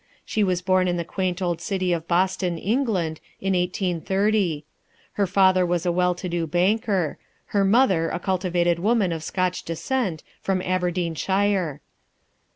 She was born in the quaint old city of Boston, England, in 1830. Her father was a well to do banker; her mother a cultivated woman of Scotch descent, from Aberdeenshire.